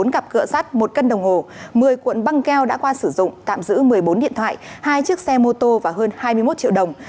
bốn cặp cửa sắt một cân đồng hồ một mươi cuộn băng keo đã qua sử dụng tạm giữ một mươi bốn điện thoại hai chiếc xe mô tô và hơn hai mươi một triệu đồng